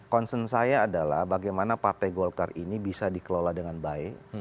concern saya adalah bagaimana partai golkar ini bisa dikelola dengan baik